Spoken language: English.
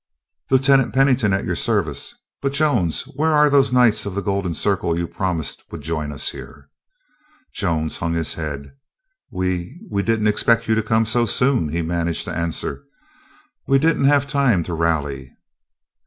"Lieutenant Pennington, at your service. But, Jones, where are those Knights of the Golden Circle you promised would join us here?" Jones hung his head. "We—we didn't expect you to come so soon," he managed to answer; "we didn't have time to rally."